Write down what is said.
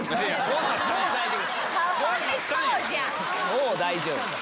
「もう大丈夫」。